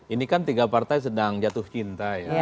ini kan tiga partai sedang jatuh cinta ya